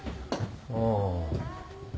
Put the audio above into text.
ああ。